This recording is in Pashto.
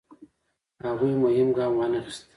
هغوی مهم ګام وانخیست.